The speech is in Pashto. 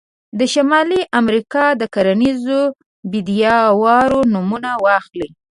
د شمالي امریکا د کرنیزو پیداوارو نومونه واخلئ.